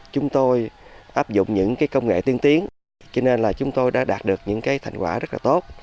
chúng tôi áp dụng những công nghệ tiên tiến cho nên là chúng tôi đã đạt được những thành quả rất là tốt